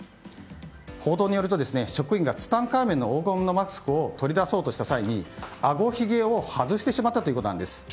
報道によると職員がツタンカーメンの黄金のマスクを取り出そうとした際、あごひげを外してしまったということです。